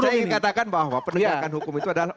jadi saya ingin katakan bahwa penegakan hukum itu adalah